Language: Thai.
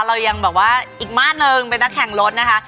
เรายังแบบว่าอีกมาตรหนึ่งเป็นนักแข่งรถนะคะ